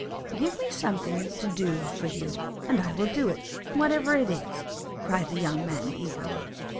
'Give me something to do for you, and I will do it, whatever it is,' cried the young man eagerly.